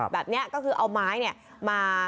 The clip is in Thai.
แบบนี้ก็คือเอาไม้มา